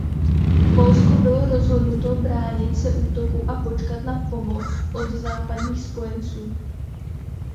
Polsko bylo rozhodnuto bránit se útoku a počkat na pomoc od západních spojenců.